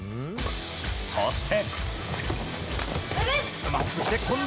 そして。